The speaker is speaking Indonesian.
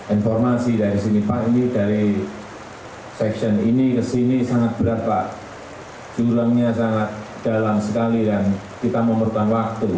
ini kesini sangat berapa jurnalnya sangat dalam sekali dan kita memerlukan waktu